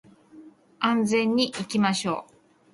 安全に行きましょう